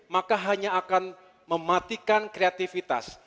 maka hanya akan mematikan kreativitas